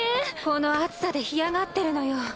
・この暑さで干上がってるのよ・